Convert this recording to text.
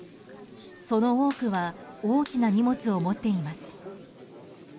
その多くは大きな荷物を持っています。